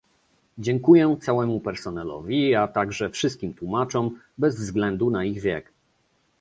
Dziękuję całemu personelowi, a także wszystkim tłumaczom, bez względu na ich wiek